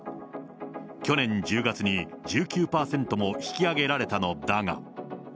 去年１０月に１９％も引き上げられたのだが。